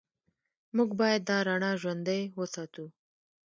موږ باید دا رڼا ژوندۍ وساتو.